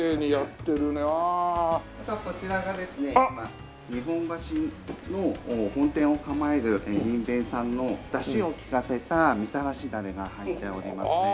今日本橋の本店を構えるにんべんさんの出汁を利かせたみたらしだれが入っておりますね。